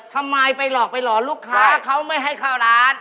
ทำไมไปหลอกไปหลอนลูกค้าเขาไม่ให้เข้าร้าน